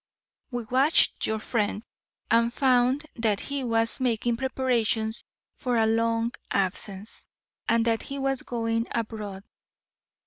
We watched your friend, and found that he was making preparations for a long absence, and that he was going abroad.